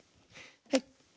はい。